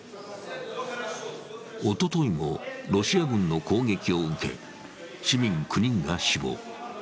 おとといもロシア軍の攻撃を受け、市民９人が死亡。